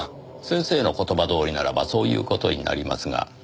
先生の言葉どおりならばそういう事になりますが。